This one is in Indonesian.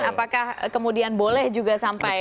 apakah kemudian boleh juga sampai